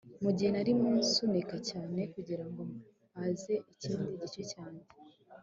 mugihe narimo nsunika cyane kugirango mpaze ikindi gice cyanjye